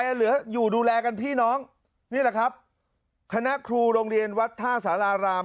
เหลืออยู่ดูแลกันพี่น้องนี่แหละครับคณะครูโรงเรียนวัดท่าสาราราม